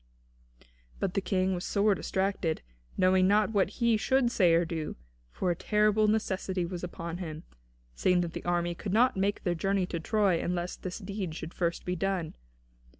But the King was sore distracted, knowing not what he should say or do, for a terrible necessity was upon him, seeing that the army could not make their journey to Troy unless this deed should first be done.